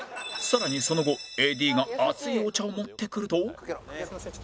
さらにその後 ＡＤ が熱いお茶を持ってくると